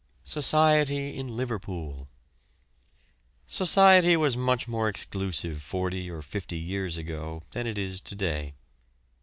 SOCIETY IN LIVERPOOL. Society was much more exclusive forty or fifty years ago than it is to day.